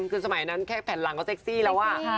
คือสมัยนั้นแค่แผ่นหลังก็เซ็กซี่แล้วอะ